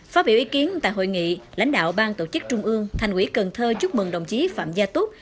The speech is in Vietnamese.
phát biểu ý kiến tại hội nghị lãnh đạo ban tổ chức trung ương thành ủy cần thơ chúc mừng đồng chí phạm gia túc